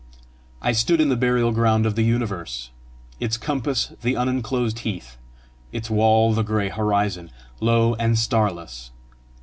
I stood in the burial ground of the universe; its compass the unenclosed heath, its wall the gray horizon, low and starless!